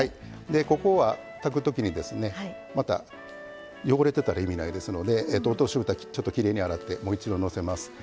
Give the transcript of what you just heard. ここは炊く時にですねまた汚れてたら意味ないですので落としぶたきれいに洗ってもう一度のせます。